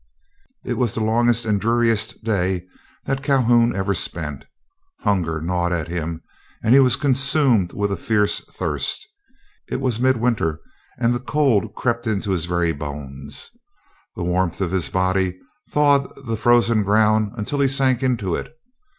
It was the longest and dreariest day that Calhoun ever spent. Hunger gnawed him, and he was consumed with a fierce thirst. It was midwinter, and the cold crept into his very bones. The warmth of his body thawed the frozen ground until he sank into it.